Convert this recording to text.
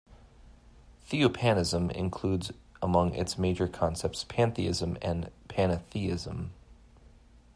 Theopanism includes among its major concepts pantheism and panentheism.